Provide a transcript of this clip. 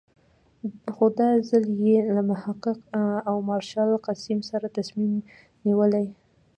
خو دا ځل یې له محقق او مارشال قسیم سره تصمیم نیولی.